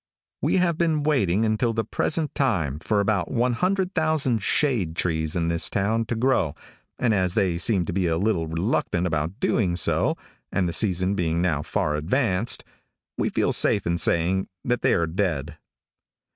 We have been waiting until the present time for about 100,000 shade trees in this town to grow, and as they seem to be a little reluctant about doing so, and the season being now far advanced, we feel safe in saying that they are dead.